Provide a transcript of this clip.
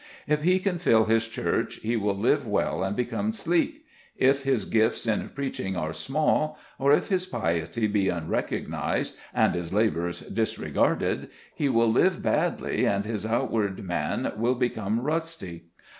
If he can fill his church he will live well and become sleek. If his gifts in preaching are small, or if his piety be unrecognized and his labours disregarded, he will live badly and his outward man will become rusty.